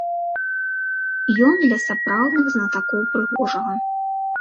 Ён для сапраўдных знатакоў прыгожага.